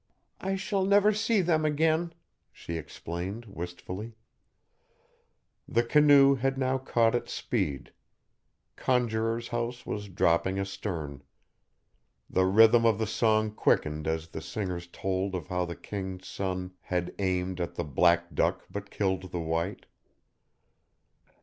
"I shall never see them again," she explained, wistfully. The canoe had now caught its speed. Conjuror's House was dropping astern. The rhythm of the song quickened as the singers told of how the king's son had aimed at the black duck but killed the white.